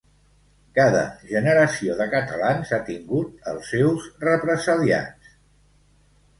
Cada generació de catalans ha tingut els seus represaliats.